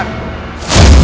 kita akan menyebar